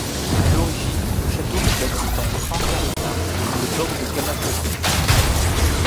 À l’origine, le château fut bâti par le clan Karita à l’époque de Kamakura.